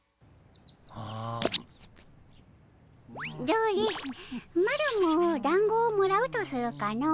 どれマロもだんごをもらうとするかの。